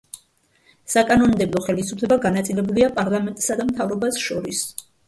საკანონმდებლო ხელისუფლება განაწილებულია პარლამენტსა და მთავრობას შორის.